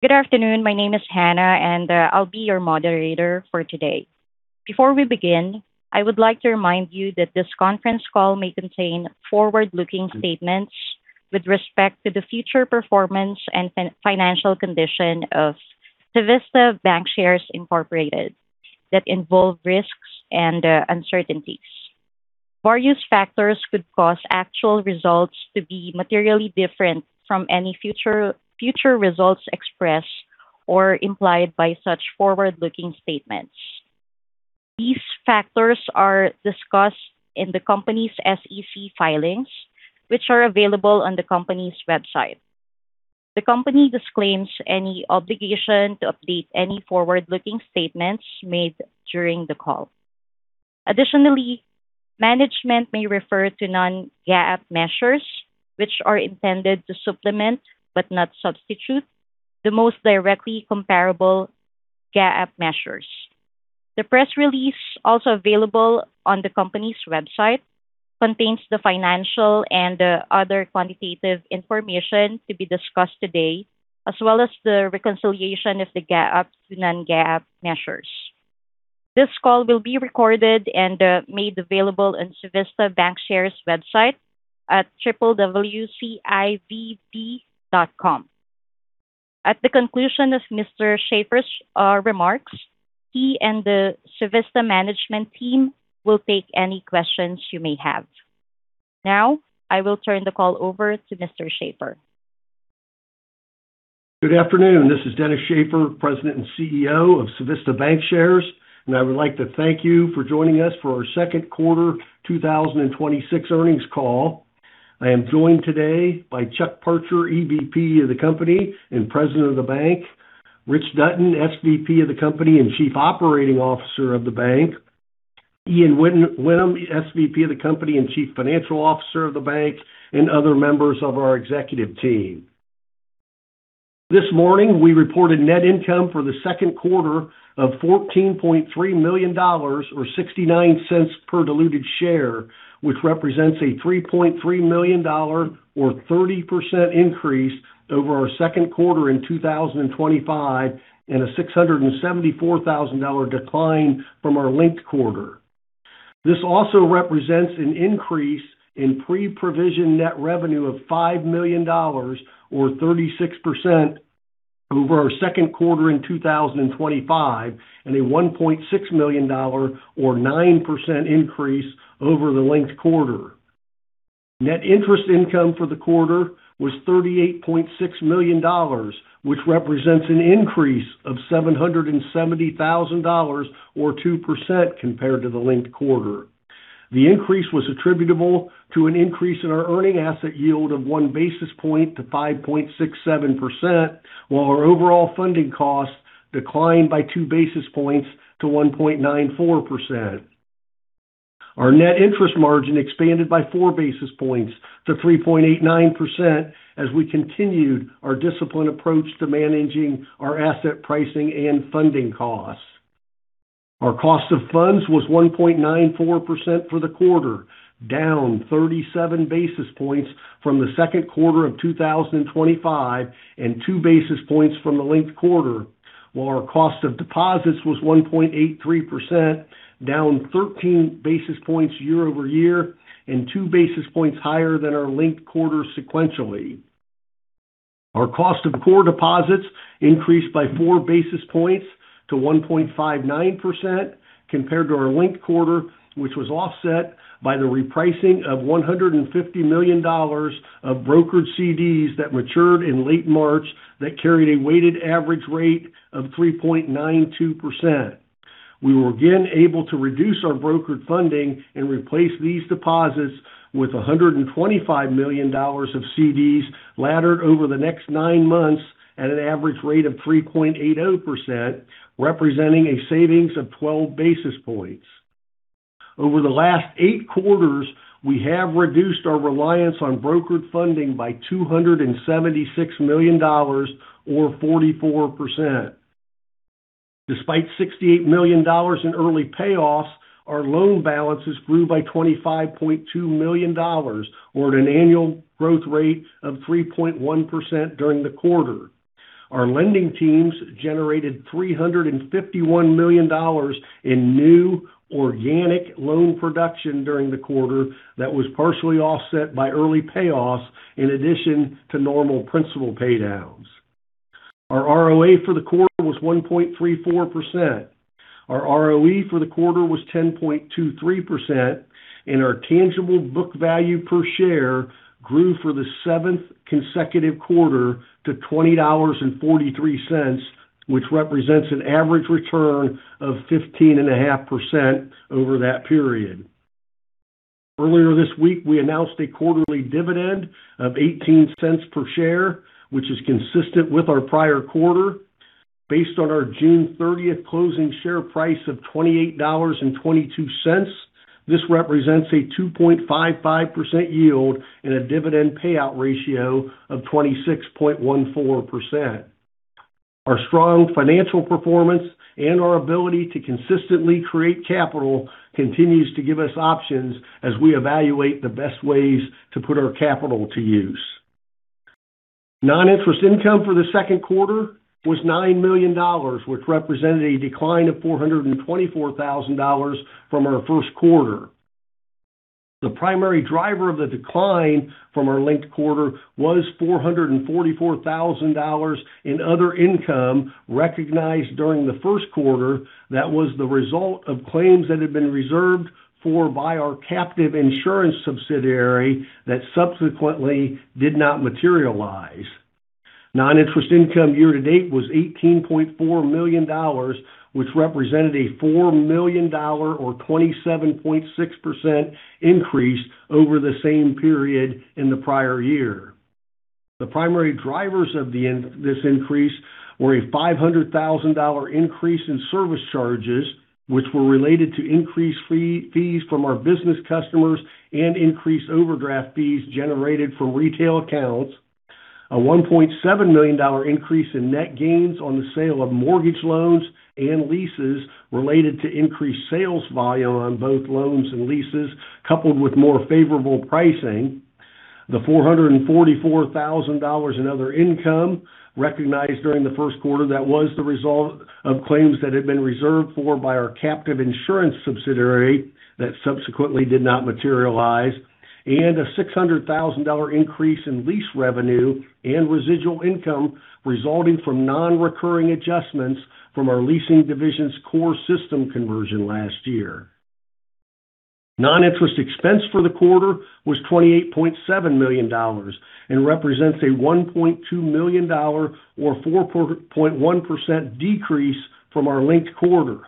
Good afternoon. My name is Hannah, and I will be your moderator for today. Before we begin, I would like to remind you that this conference call may contain forward-looking statements with respect to the future performance and financial condition of Civista Bancshares Incorporated that involve risks and uncertainties. Various factors could cause actual results to be materially different from any future results expressed or implied by such forward-looking statements. These factors are discussed in the company's SEC filings, which are available on the company's website. The company disclaims any obligation to update any forward-looking statements made during the call. Additionally, management may refer to non-GAAP measures, which are intended to supplement, but not substitute, the most directly comparable GAAP measures. The press release, also available on the company's website, contains the financial and other quantitative information to be discussed today, as well as the reconciliation of the GAAP to non-GAAP measures. This call will be recorded and made available on Civista Bancshares website at www.civb.com. At the conclusion of Mr. Shaffer's remarks, he and the Civista management team will take any questions you may have. Now, I will turn the call over to Mr. Shaffer. Good afternoon. This is Dennis Shaffer, President and CEO of Civista Bancshares, and I would like to thank you for joining us for our second quarter 2026 earnings call. I am joined today by Chuck Parcher, EVP of the company and President of the bank, Rich Dutton, SVP of the company and Chief Operating Officer of the bank, Ian Whinnem, SVP of the company and Chief Financial Officer of the bank, and other members of our executive team. This morning, we reported net income for the second quarter of $14.3 million, or $0.69 per diluted share, which represents a $3.3 million, or 30% increase over our second quarter in 2025, and a $674,00 decline from our linked quarter. This also represents an increase in pre-provision net revenue of $5 million, or 36%, over our second quarter in 2025, and a $1.6 million, or 9% increase over the linked quarter. Net interest income for the quarter was $38.6 million, which represents an increase of $770,000, or 2%, compared to the linked quarter. The increase was attributable to an increase in our earning asset yield of one basis point to 5.67%, while our overall funding costs declined by two basis points to 1.94%. Our net interest margin expanded by four basis points to 3.89% as we continued our disciplined approach to managing our asset pricing and funding costs. Our cost of funds was 1.94% for the quarter, down 37 basis points from the second quarter of 2025 and two basis points from the linked quarter. While our cost of deposits was 1.83%, down 13 basis points year-over-year and two basis points higher than our linked quarter sequentially. Our cost of core deposits increased by 4 basis points to 1.59% compared to our linked quarter, which was offset by the repricing of $150 million of brokered CDs that matured in late March that carried a weighted average rate of 3.92%. We were again able to reduce our brokered funding and replace these deposits with $125 million of CDs laddered over the next nine months at an average rate of 3.80%, representing a savings of 12 basis points. Over the last eight quarters, we have reduced our reliance on brokered funding by $276 million, or 44%. Despite $68 million in early payoffs, our loan balances grew by $25.2 million, or at an annual growth rate of 3.1% during the quarter. Our lending teams generated $351 million in new organic loan production during the quarter that was partially offset by early payoffs in addition to normal principal pay-downs. Our ROA for the quarter was 1.34%. Our ROE for the quarter was 10.23%. Our tangible book value per share grew for the seventh consecutive quarter to $20.43, which represents an average return of 15.5% over that period. Earlier this week, we announced a quarterly dividend of $0.18 per share, which is consistent with our prior quarter. Based on our June 30th closing share price of $28.22, this represents a 2.55% yield and a dividend payout ratio of 26.14%. Our strong financial performance and our ability to consistently create capital continues to give us options as we evaluate the best ways to put our capital to use. Non-interest income for the second quarter was $9 million, which represented a decline of $424,000 from our first quarter. The primary driver of the decline from our linked quarter was $444,000 in other income recognized during the first quarter that was the result of claims that had been reserved for by our captive insurance subsidiary that subsequently did not materialize. Non-interest income year-to-date was $18.4 million, which represented a $4 million, or 27.6%, increase over the same period in the prior year. The primary drivers of this increase were a $500,000 increase in service charges, which were related to increased fees from our business customers and increased overdraft fees generated from retail accounts, a $1.7 million increase in net gains on the sale of mortgage loans and leases related to increased sales volume on both loans and leases, coupled with more favorable pricing. The $444,000 in other income recognized during the first quarter that was the result of claims that had been reserved for by our captive insurance subsidiary that subsequently did not materialize. A $600,000 increase in lease revenue and residual income resulting from non-recurring adjustments from our leasing division's core system conversion last year. Non-interest expense for the quarter was $28.7 million and represents a $1.2 million, or 4.1%, decrease from our linked quarter.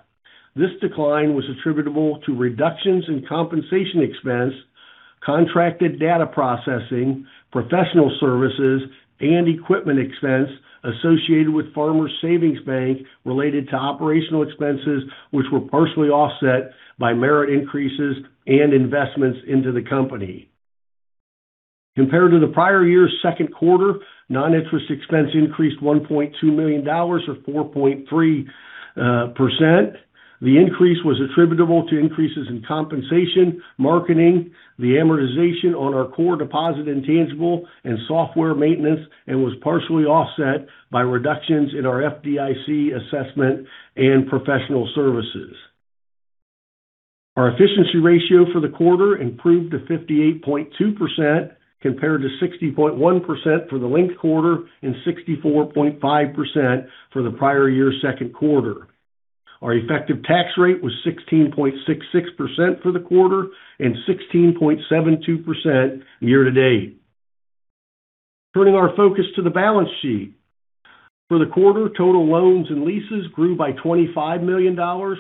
This decline was attributable to reductions in compensation expense, contracted data processing, professional services, and equipment expense associated with Farmers Savings Bank related to operational expenses, which were partially offset by merit increases and investments into the company. Compared to the prior year's second quarter, non-interest expense increased $1.2 million, or 4.3%. The increase was attributable to increases in compensation, marketing, the amortization on our core deposit intangible, and software maintenance, and was partially offset by reductions in our FDIC assessment and professional services. Our efficiency ratio for the quarter improved to 58.2% compared to 60.1% for the linked quarter and 64.5% for the prior year's second quarter. Our effective tax rate was 16.66% for the quarter and 16.72% year to date. Turning our focus to the balance sheet. For the quarter, total loans and leases grew by $25 million,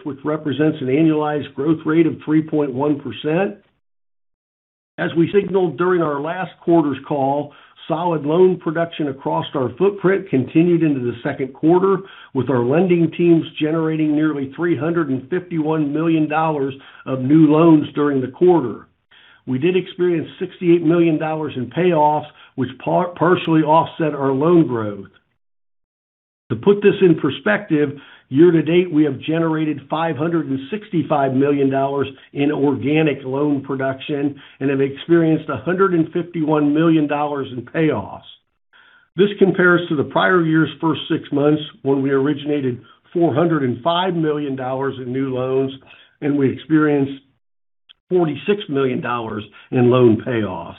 which represents an annualized growth rate of 3.1%. As we signaled during our last quarter's call, solid loan production across our footprint continued into the second quarter, with our lending teams generating nearly $351 million of new loans during the quarter. We did experience $68 million in payoffs, which partially offset our loan growth. To put this in perspective, year to date, we have generated $565 million in organic loan production and have experienced $151 million in payoffs. This compares to the prior year's first six months, when we originated $405 million in new loans and we experienced $46 million in loan payoffs.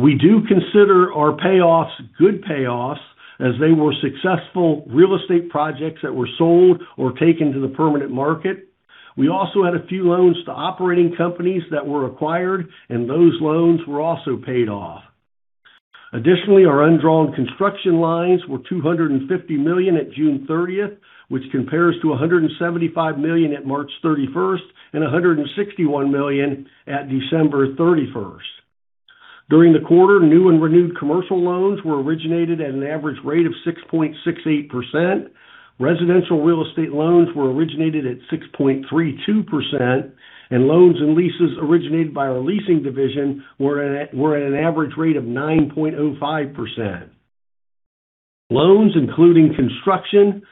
We do consider our payoffs good payoffs as they were successful real estate projects that were sold or taken to the permanent market. We also had a few loans to operating companies that were acquired, and those loans were also paid off. Additionally, our undrawn construction lines were $250 million at June 30th, which compares to $175 million at March 31st and $161 million at December 31st. During the quarter, new and renewed commercial loans were originated at an average rate of 6.68%, residential real estate loans were originated at 6.32%, and loans and leases originated by our leasing division were at an average rate of 9.05%. Loans, including construction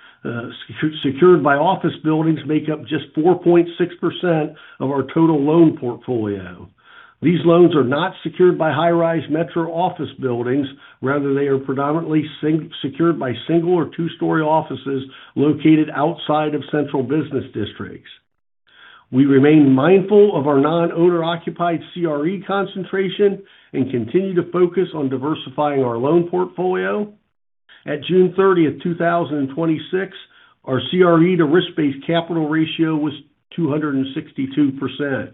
secured by office buildings, make up just 4.6% of our total loan portfolio. These loans are not secured by high-rise metro office buildings, rather they are predominantly secured by single or two-story offices located outside of central business districts. We remain mindful of our non-owner occupied CRE concentration and continue to focus on diversifying our loan portfolio. At June 30th, 2026, our CRE to risk-based capital ratio was 262%.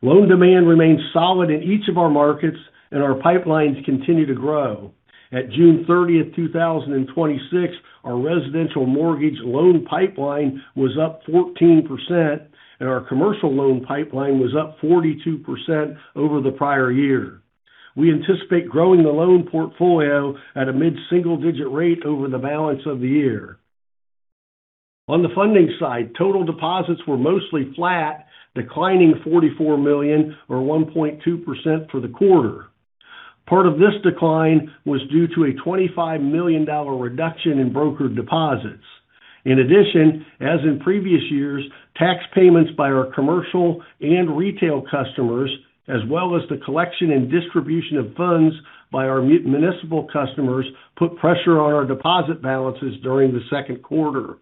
Loan demand remains solid in each of our markets and our pipelines continue to grow. At June 30th, 2026, our residential mortgage loan pipeline was up 14%, and our commercial loan pipeline was up 42% over the prior year. We anticipate growing the loan portfolio at a mid-single digit rate over the balance of the year. On the funding side, total deposits were mostly flat, declining $44 million, or 1.2%, for the quarter. Part of this decline was due to a $25 million reduction in brokered deposits. In addition, as in previous years, tax payments by our commercial and retail customers, as well as the collection and distribution of funds by our municipal customers, put pressure on our deposit balances during the second quarter.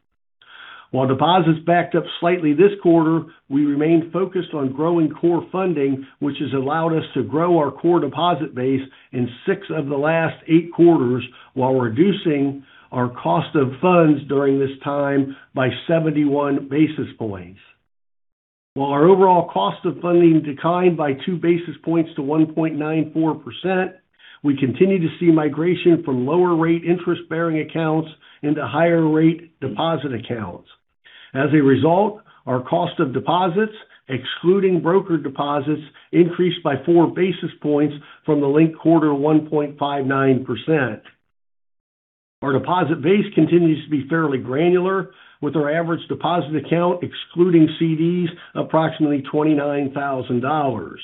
While deposits backed up slightly this quarter, we remain focused on growing core funding, which has allowed us to grow our core deposit base in six of the last eight quarters while reducing our cost of funds during this time by 71 basis points. While our overall cost of funding declined by two basis points to 1.94%, we continue to see migration from lower rate interest-bearing accounts into higher rate deposit accounts. As a result, our cost of deposits, excluding broker deposits, increased by 4 basis points from the linked quarter 1.59%. Our deposit base continues to be fairly granular, with our average deposit account, excluding CDs, approximately $29,000.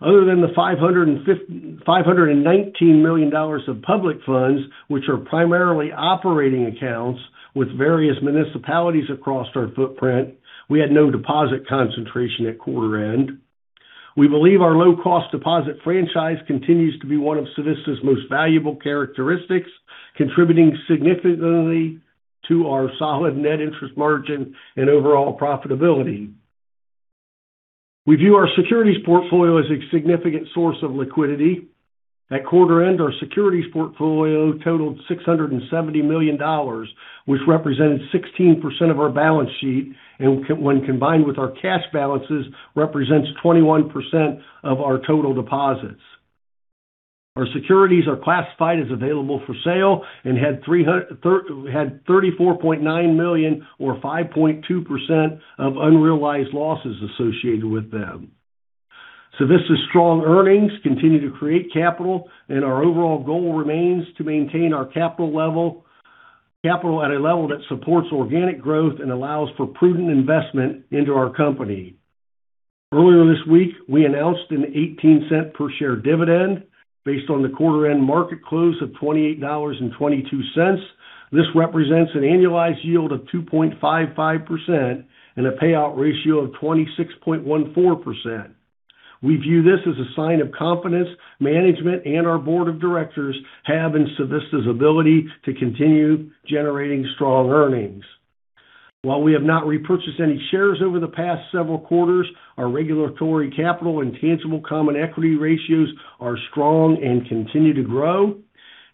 Other than the $519 million of public funds, which are primarily operating accounts with various municipalities across our footprint, we had no deposit concentration at quarter end. We believe our low-cost deposit franchise continues to be one of Civista's most valuable characteristics, contributing significantly to our solid net interest margin and overall profitability. We view our securities portfolio as a significant source of liquidity. At quarter end, our securities portfolio totaled $670 million, which represented 16% of our balance sheet, and when combined with our cash balances, represents 21% of our total deposits. Our securities are classified as available for sale and had $34.9 million or 5.2% of unrealized losses associated with them. Civista's strong earnings continue to create capital, and our overall goal remains to maintain our capital at a level that supports organic growth and allows for prudent investment into our company. Earlier this week, we announced an $0.18 per share dividend based on the quarter end market close of $28.22. This represents an annualized yield of 2.55% and a payout ratio of 26.14%. We view this as a sign of confidence management and our board of directors have in Civista's ability to continue generating strong earnings. While we have not repurchased any shares over the past several quarters, our regulatory capital and tangible common equity ratios are strong and continue to grow.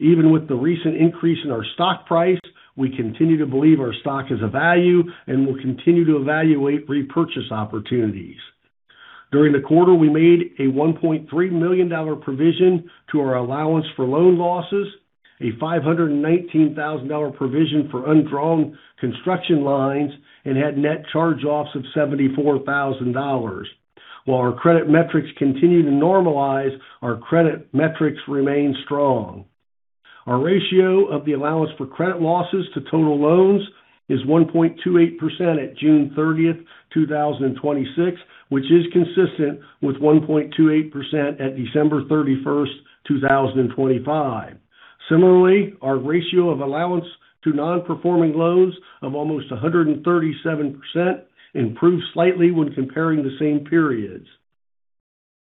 Even with the recent increase in our stock price, we continue to believe our stock is of value and will continue to evaluate repurchase opportunities. During the quarter, we made a $1.3 million provision to our allowance for loan losses, a $519,000 provision for undrawn construction lines, and had net charge-offs of $74,000. While our credit metrics continue to normalize, our credit metrics remain strong. Our ratio of the allowance for credit losses to total loans is 1.28% at June 30th, 2026, which is consistent with 1.28% at December 31st, 2025. Similarly, our ratio of allowance to non-performing loans of almost 137% improved slightly when comparing the same periods.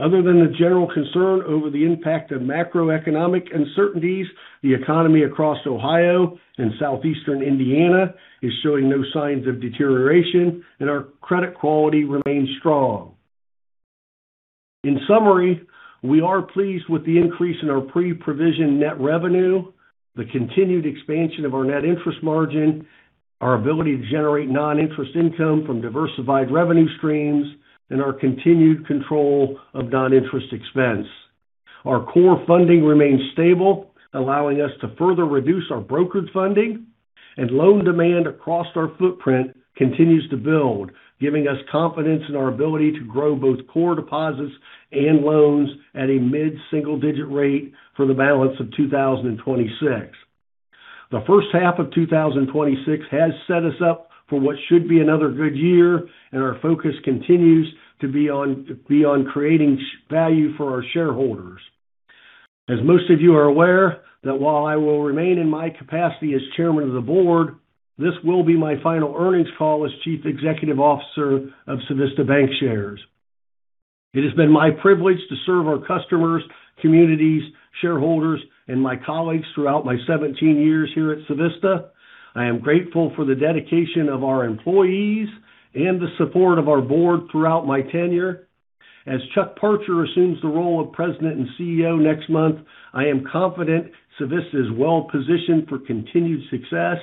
Other than the general concern over the impact of macroeconomic uncertainties, the economy across Ohio and Southeastern Indiana is showing no signs of deterioration, and our credit quality remains strong. In summary, we are pleased with the increase in our pre-provision net revenue, the continued expansion of our net interest margin, our ability to generate non-interest income from diversified revenue streams, and our continued control of non-interest expense. Our core funding remains stable, allowing us to further reduce our brokered funding, and loan demand across our footprint continues to build, giving us confidence in our ability to grow both core deposits and loans at a mid-single-digit rate for the balance of 2026. The first half of 2026 has set us up for what should be another good year, and our focus continues to be on creating value for our shareholders. As most of you are aware that while I will remain in my capacity as chairman of the board, this will be my final earnings call as chief executive officer of Civista Bancshares. It has been my privilege to serve our customers, communities, shareholders, and my colleagues throughout my 17 years here at Civista. I am grateful for the dedication of our employees and the support of our board throughout my tenure. As Chuck Parcher assumes the role of president and CEO next month, I am confident Civista is well-positioned for continued success.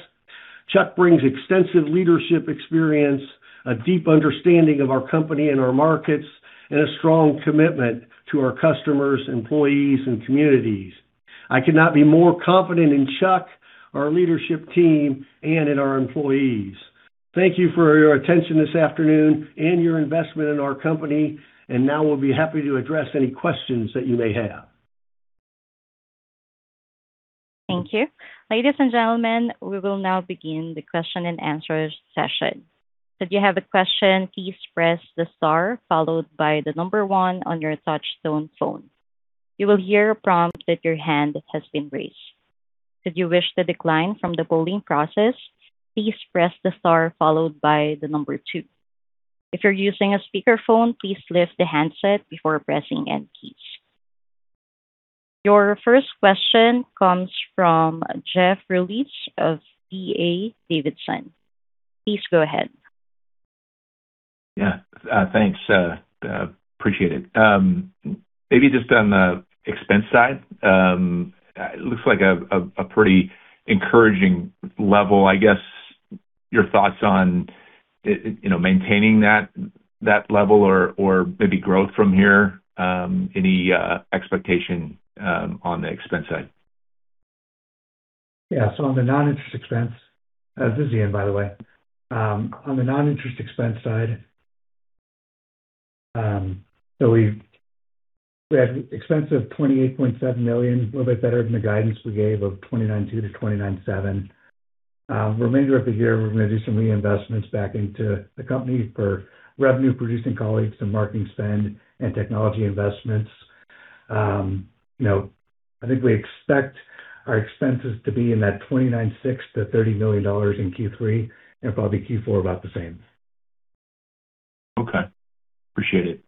Chuck brings extensive leadership experience, a deep understanding of our company and our markets, and a strong commitment to our customers, employees, and communities. I could not be more confident in Chuck, our leadership team, and in our employees. Thank you for your attention this afternoon and your investment in our company. Now we'll be happy to address any questions that you may have. Thank you. Ladies and gentlemen, we will now begin the question and answer session. If you have a question, please press the star followed by the number one on your touch tone phone. You will hear a prompt that your hand has been raised. Should you wish to decline from the polling process, please press the star followed by the number two. If you're using a speakerphone, please lift the handset before pressing any keys. Your first question comes from Jeff Rulis of D.A. Davidson. Please go ahead. Yeah. Thanks. Appreciate it. Maybe just on the expense side. It looks like a pretty encouraging level. I guess, your thoughts on maintaining that level or maybe growth from here, any expectation on the expense side? Yeah. On the non-interest expense. This is Ian, by the way. On the non-interest expense side, we had expense of $28.7 million, a little bit better than the guidance we gave of $29.2 million to $29.7 million. Remainder of the year, we're going to do some reinvestments back into the company for revenue-producing colleagues and marketing spend and technology investments. I think we expect our expenses to be in that $29.6 million to $30 million in Q3, and probably Q4 about the same. Okay. Appreciate it.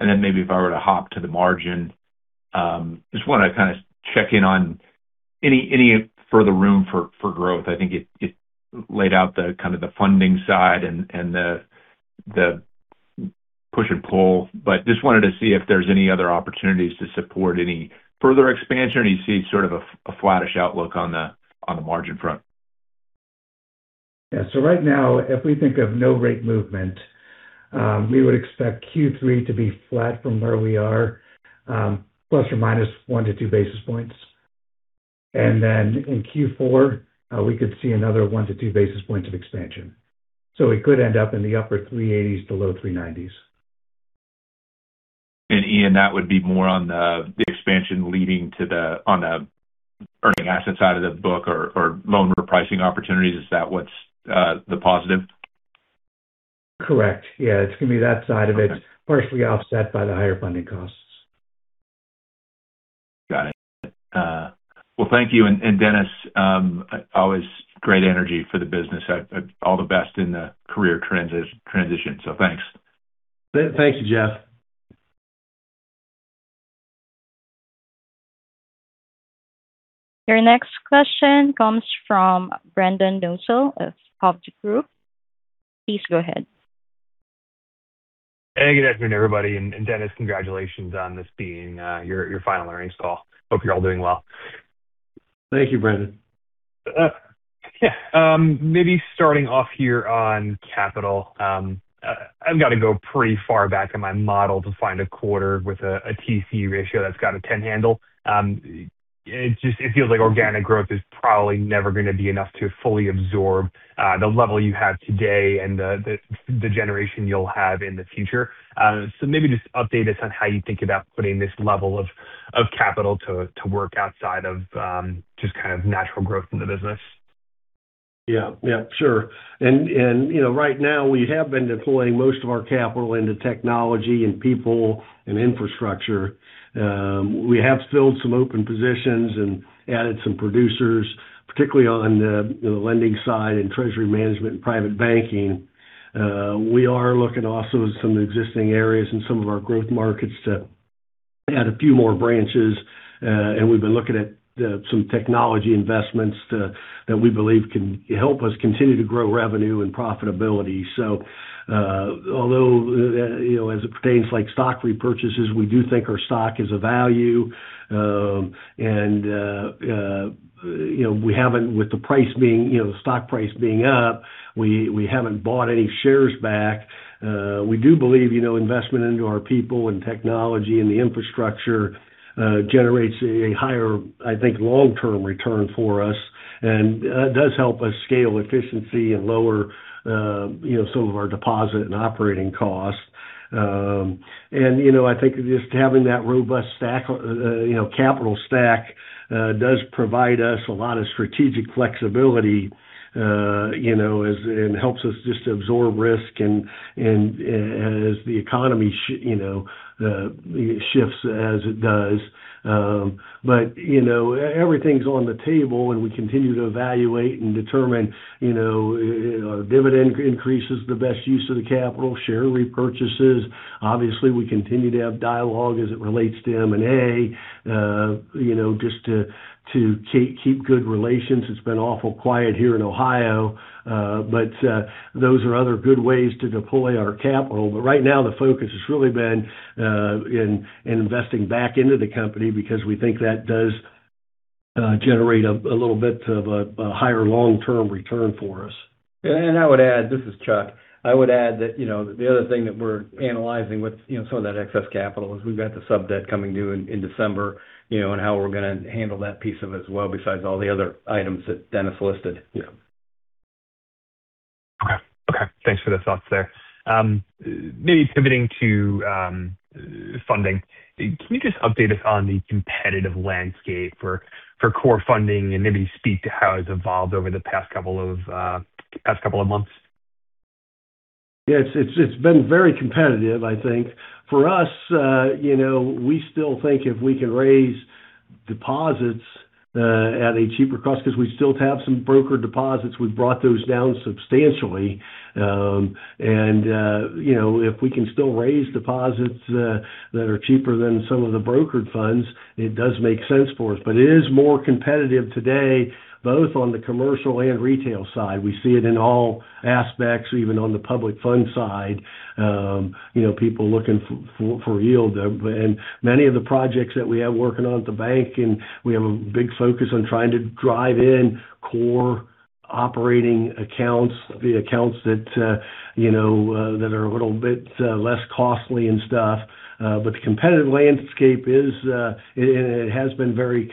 Maybe if I were to hop to the margin, just wanted to kind of check in on any further room for growth. I think it laid out the kind of the funding side and the push and pull. Just wanted to see if there's any other opportunities to support any further expansion, or you see sort of a flattish outlook on the margin front. Yeah. Right now, if we think of no rate movement, we would expect Q3 to be flat from where we are, plus or minus one to two basis points. In Q4, we could see another one to two basis points of expansion. We could end up in the upper 380s to low 390s. Ian, that would be more on the expansion leading to the, on the earning asset side of the book or loan repricing opportunities? Is that what's the positive? Correct. Yeah, it's going to be that side of it. Okay Partially offset by the higher funding costs. Got it. Well, thank you. Dennis, always great energy for the business. All the best in the career transition. Thanks. Thank you, Jeff. Your next question comes from Brendan Nosal of Hovde Group. Please go ahead. Hey, good afternoon, everybody. Dennis, congratulations on this being your final earnings call. Hope you're all doing well. Thank you, Brendan. Yeah. Maybe starting off here on capital. I've got to go pretty far back in my model to find a quarter with a TC ratio that's got a 10 handle. It feels like organic growth is probably never going to be enough to fully absorb the level you have today and the generation you'll have in the future. Maybe just update us on how you think about putting this level of capital to work outside of just kind of natural growth in the business. Yeah. Sure. Right now, we have been deploying most of our capital into technology and people and infrastructure. We have filled some open positions and added some producers, particularly on the lending side and treasury management and private banking. We are looking also at some of the existing areas in some of our growth markets to add a few more branches. We've been looking at some technology investments that we believe can help us continue to grow revenue and profitability. Although as it pertains like stock repurchases, we do think our stock is of value. With the stock price being up, we haven't bought any shares back. We do believe investment into our people and technology and the infrastructure generates a higher, I think, long-term return for us and does help us scale efficiency and lower some of our deposit and operating costs. I think just having that robust capital stack does provide us a lot of strategic flexibility, and helps us just to absorb risk and as the economy shifts as it does. Everything's on the table, and we continue to evaluate and determine dividend increases the best use of the capital share repurchases. Obviously, we continue to have dialogue as it relates to M&A just to keep good relations. It's been awful quiet here in Ohio. Those are other good ways to deploy our capital. Right now, the focus has really been in investing back into the company because we think that does generate a little bit of a higher long-term return for us. I would add, this is Chuck. I would add that the other thing that we're analyzing with some of that excess capital is we've got the sub-debt coming due in December, and how we're going to handle that piece of it as well, besides all the other items that Dennis listed. Yeah. Okay. Thanks for the thoughts there. Maybe pivoting to funding. Can you just update us on the competitive landscape for core funding and maybe speak to how it's evolved over the past couple of months? Yeah, it's been very competitive, I think. For us, we still think if we can raise deposits at a cheaper cost, because we still have some broker deposits, we've brought those down substantially. If we can still raise deposits that are cheaper than some of the brokered funds, it does make sense for us. It is more competitive today, both on the commercial and retail side. We see it in all aspects, even on the public fund side. People looking for yield. Many of the projects that we have working on at the bank, and we have a big focus on trying to drive in core operating accounts, the accounts that are a little bit less costly and stuff. The competitive landscape is and it has been very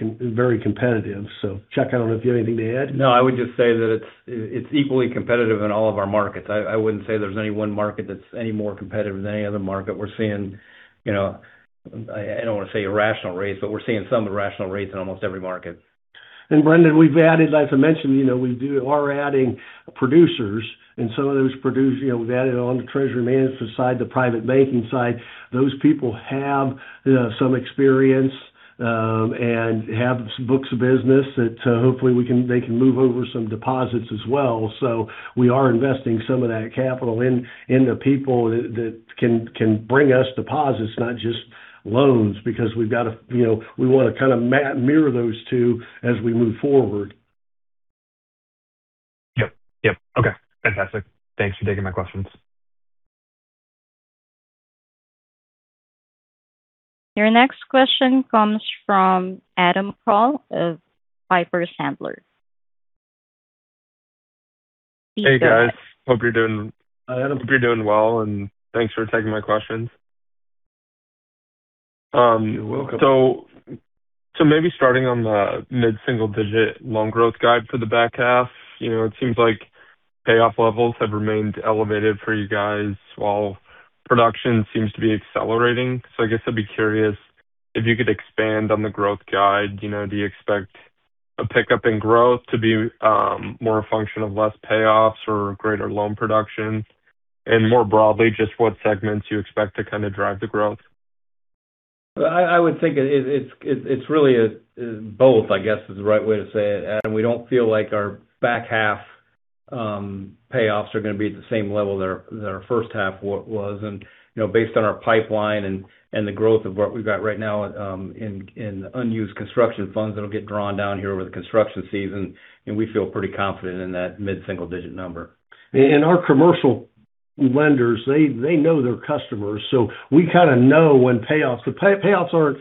competitive. Chuck, I don't know if you have anything to add? No, I would just say that it's equally competitive in all of our markets. I wouldn't say there's any one market that's any more competitive than any other market. We're seeing, I don't want to say irrational rates, but we're seeing some irrational rates in almost every market. Brendan, we've added, as I mentioned, we are adding producers and some of those producers we've added on the treasury management side, the private banking side. Those people have some experience, and have some books of business that hopefully they can move over some deposits as well. We are investing some of that capital in the people that can bring us deposits, not just loans, because we want to kind of mirror those two as we move forward. Yep. Okay. Fantastic. Thanks for taking my questions. Your next question comes from Adam Kroll of Piper Sandler. Please go ahead. Hey, guys. Hope you're doing well, and thanks for taking my questions. You're welcome. Maybe starting on the mid-single digit loan growth guide for the back half. It seems like payoff levels have remained elevated for you guys while production seems to be accelerating. I guess I'd be curious if you could expand on the growth guide. Do you expect a pickup in growth to be more a function of less payoffs or greater loan production? More broadly, just what segments you expect to kind of drive the growth? I would think it's really both, I guess is the right way to say it, Adam. We don't feel like our back half payoffs are going to be at the same level that our first half was. Based on our pipeline and the growth of what we've got right now in unused construction funds that'll get drawn down here over the construction season, we feel pretty confident in that mid-single digit number. Our commercial lenders, they know their customers. Payouts aren't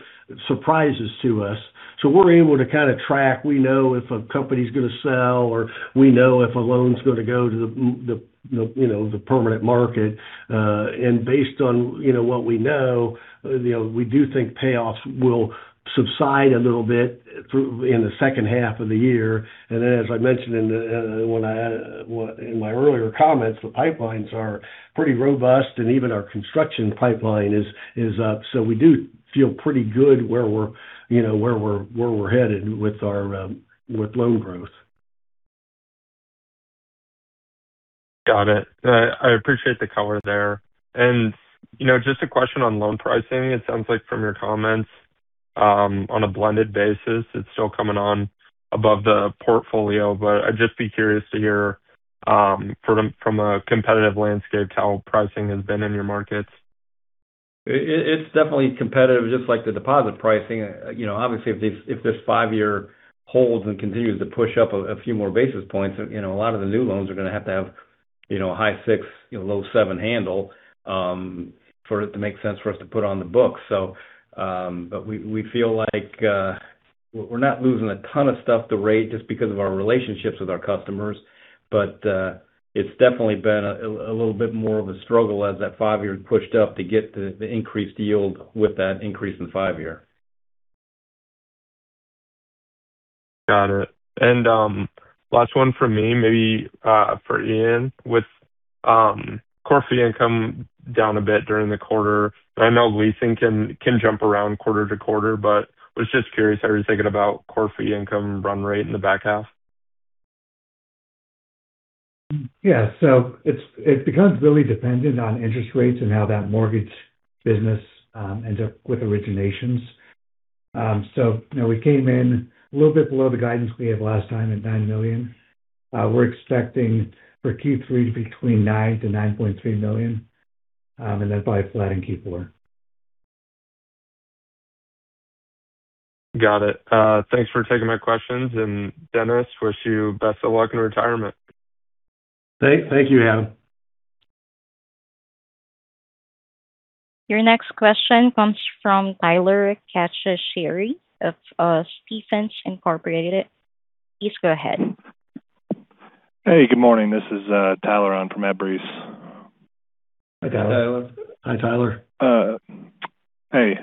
surprises to us, so we're able to kind of track. We know if a company's going to sell, or we know if a loan's going to go to the permanent market. Based on what we know, we do think payoffs will subside a little bit in the second half of the year. As I mentioned in my earlier comments, the pipelines are pretty robust and even our construction pipeline is up. We do feel pretty good where we're headed with loan growth. Got it. I appreciate the color there. Just a question on loan pricing. It sounds like from your comments, on a blended basis, it's still coming on above the portfolio. I'd just be curious to hear from a competitive landscape how pricing has been in your markets. It's definitely competitive, just like the deposit pricing. Obviously, if this five-year holds and continues to push up a few more basis points, a lot of the new loans are going to have to have a high six, low seven handle for it to make sense for us to put on the books. We feel like we're not losing a ton of stuff to rate just because of our relationships with our customers. It's definitely been a little bit more of a struggle as that five-year pushed up to get the increased yield with that increase in five-year. Got it. Last one from me, maybe for Ian. With core fee income down a bit during the quarter, I know leasing can jump around quarter-to-quarter, was just curious how you're thinking about core fee income run rate in the back half. Yeah. It becomes really dependent on interest rates and how that mortgage business ends up with originations. We came in a little bit below the guidance we had last time at $9 million. We're expecting for Q3 to be between $9 million-$9.3 million, probably flat in Q4. Got it. Thanks for taing my questions. Dennis, wish you best of luck in retirement. Thank you, Adam. Your next question comes from Tyler Cacciatori of Stephens Inc. Please go ahead. Hey, good morning. This is Tyler on for [Embreace]. Hi, Tyler. Hi, Tyler. Hey.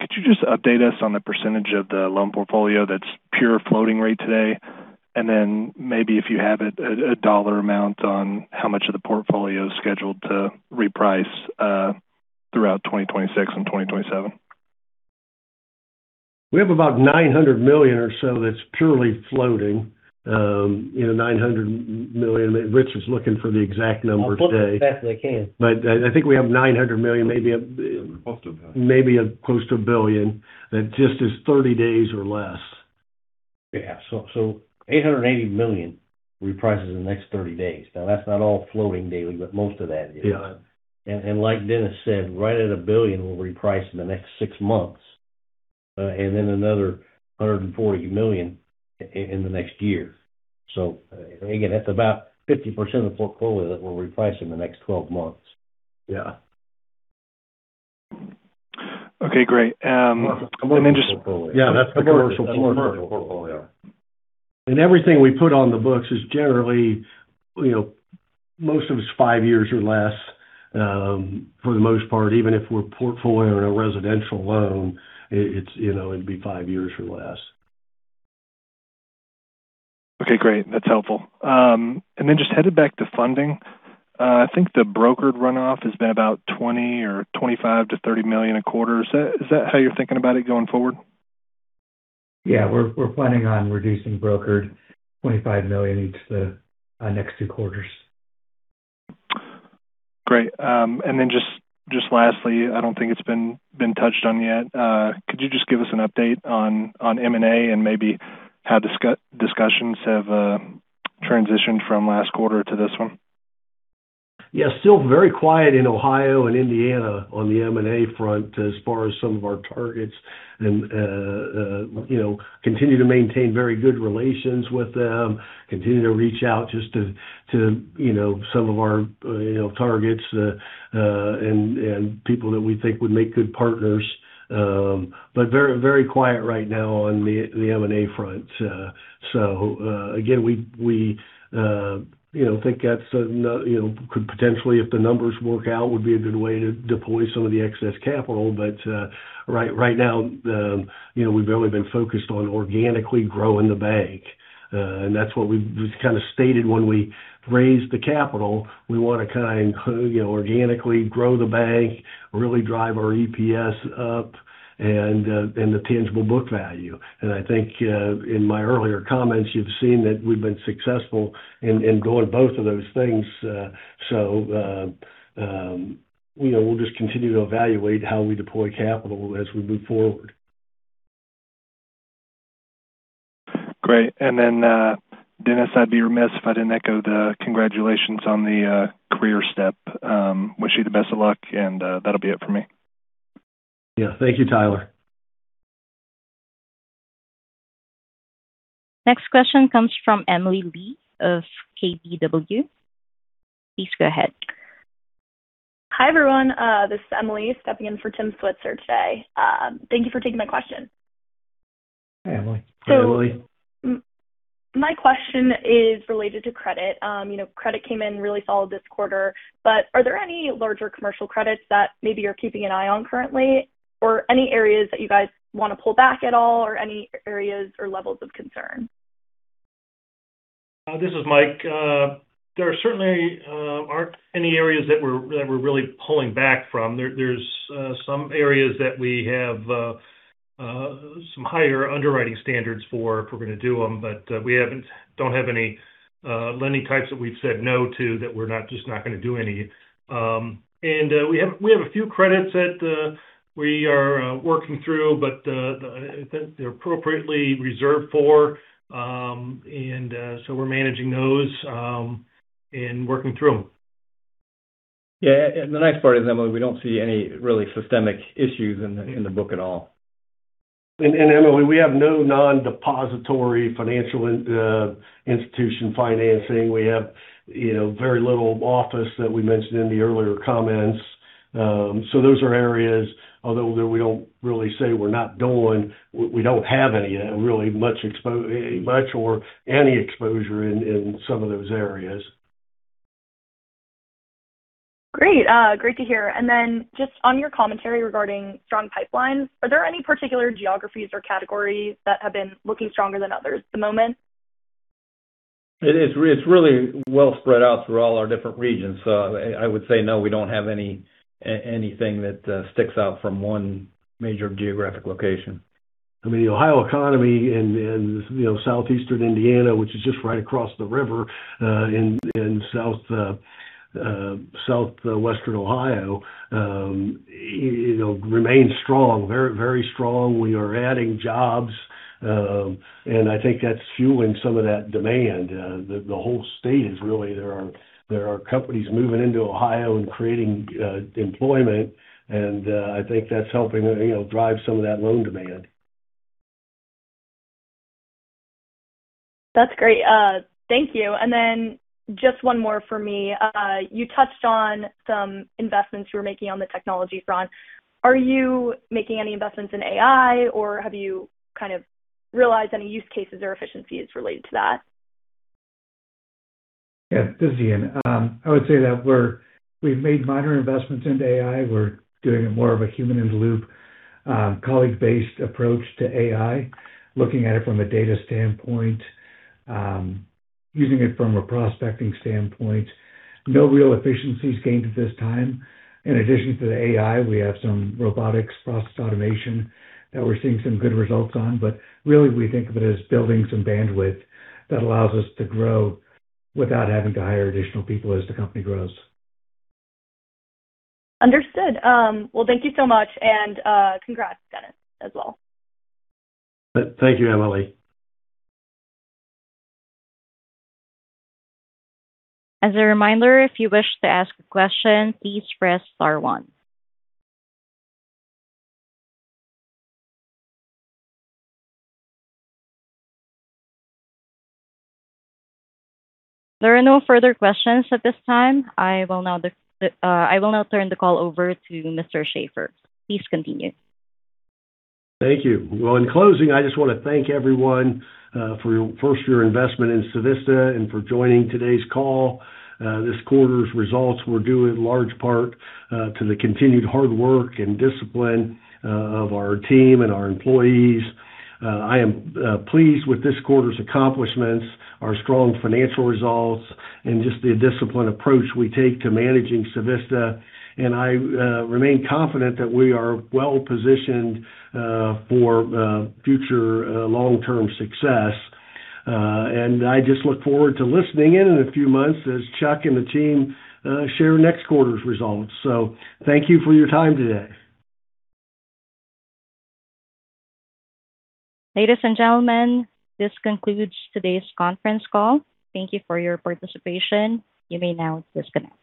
Could you just update us on the percentage of the loan portfolio that's pure floating rate today? Maybe if you have it, a dollar amount on how much of the portfolio is scheduled to reprice throughout 2026 and 2027? We have about $900 million or so that's purely floating. Rich is looking for the exact numbers today. I'll pull up as fast as I can. I think we have $900 million, maybe close to a billion, that just is 30 days or less. Yeah. $880 million reprices in the next 30 days. That's not all floating daily, but most of that is. Yeah. Like Dennis said, right at a billion will reprice in the next six months. Another $140 million in the next year. Again, that's about 50% of the portfolio that we'll reprice in the next 12 months. Yeah. Okay, great. Yeah, that's the commercial portfolio. That's the commercial portfolio. Everything we put on the books is generally, most of it's five years or less. For the most part, even if we're portfolioing a residential loan, it'd be five years or less. Okay, great. That's helpful. Then just headed back to funding. I think the brokered runoff has been about $20 million or $25 million-$30 million a quarter. Is that how you're thinking about it going forward? Yeah. We're planning on reducing brokered $25 million each the next two quarters. Great. Just lastly, I don't think it's been touched on yet. Could you just give us an update on M&A and maybe how discussions have transitioned from last quarter to this one? Yeah, still very quiet in Ohio and Indiana on the M&A front as far as some of our targets. Continue to maintain very good relations with them, continue to reach out just to some of our targets, and people that we think would make good partners. Very quiet right now on the M&A front. Again, we think that could potentially, if the numbers work out, would be a good way to deploy some of the excess capital. Right now, we've really been focused on organically growing the bank. That's what we kind of stated when we raised the capital. We want to kind of organically grow the bank, really drive our EPS up and the tangible book value. I think in my earlier comments, you've seen that we've been successful in growing both of those things. We'll just continue to evaluate how we deploy capital as we move forward. Great. Dennis, I'd be remiss if I didn't echo the congratulations on the career step. Wish you the best of luck, and that'll be it for me. Yeah. Thank you, Tyler. Next question comes from Emily Lee of KBW. Please go ahead. Hi, everyone. This is Emily stepping in for Tim Switzer today. Thank you for taking my question. Hi, Emily. Hi, Emily. My question is related to credit. Credit came in really solid this quarter, but are there any larger commercial credits that maybe you're keeping an eye on currently? Any areas that you guys want to pull back at all, or any areas or levels of concern? This is Mike. There certainly aren't any areas that we're really pulling back from. There's some areas that we have some higher underwriting standards for if we're going to do them, but we don't have any lending types that we've said no to that we're just not going to do any. We have a few credits that we are working through, but they're appropriately reserved for, and so we're managing those and working through them. Yeah. The nice part is, Emily, we don't see any really systemic issues in the book at all. Emily, we have no non-depository financial institution financing. We have very little office that we mentioned in the earlier comments. Those are areas, although that we don't really say we're not doing, we don't have any really much or any exposure in some of those areas. Great to hear. Just on your commentary regarding strong pipelines, are there any particular geographies or categories that have been looking stronger than others at the moment? It's really well spread out through all our different regions. I would say no, we don't have anything that sticks out from one major geographic location. The Ohio economy and Southeastern Indiana, which is just right across the river in Southwestern Ohio remains strong. Very strong. We are adding jobs. I think that's fueling some of that demand. The whole state is really, there are companies moving into Ohio and creating employment. I think that's helping drive some of that loan demand. That's great. Thank you. Then just one more for me. You touched on some investments you were making on the technology front. Are you making any investments in AI, or have you kind of realized any use cases or efficiencies related to that? Yeah. This is Ian. I would say that we've made minor investments into AI. We're doing more of a human-in-the-loop, colleague-based approach to AI, looking at it from a data standpoint, using it from a prospecting standpoint. No real efficiencies gained at this time. In addition to the AI, we have some robotic process automation that we're seeing some good results on. Really we think of it as building some bandwidth that allows us to grow without having to hire additional people as the company grows. Understood. Well, thank you so much. Congrats, Dennis, as well. Thank you, Emily. As a reminder, if you wish to ask a question, please press star one. There are no further questions at this time. I will now turn the call over to Mr. Shaffer. Please continue. Thank you. Well, in closing, I just want to thank everyone for your first-year investment in Civista and for joining today's call. This quarter's results were due in large part to the continued hard work and discipline of our team and our employees. I am pleased with this quarter's accomplishments, our strong financial results, and just the disciplined approach we take to managing Civista. I remain confident that we are well-positioned for future long-term success. I just look forward to listening in in a few months as Chuck and the team share next quarter's results. Thank you for your time today. Ladies and gentlemen, this concludes today's conference call. Thank you for your participation. You may now disconnect.